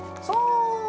そう！